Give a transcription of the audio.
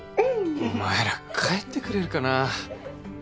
うん。お前ら帰ってくれるかな。